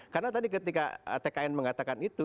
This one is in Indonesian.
karena tadi ketika tkn mengatakan itu